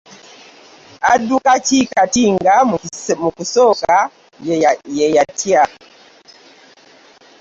Adduka ki kati nga mu kusooka yeyatya?